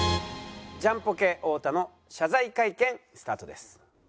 ジャンポケ太田の謝罪会見スタートです。